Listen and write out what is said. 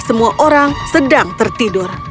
semua orang sedang tertidur